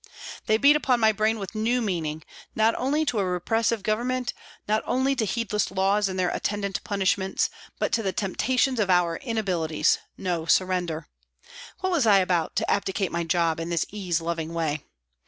They beat upon my brain with a new meaning ; not only to a repressive WALTON GAOL, LIVERPOOL 283 Government, not only to heedless laws and their attendant punishments, but to the temptations of our inabilities, no surrender. What was I about, to abdicate my job in this ease loving way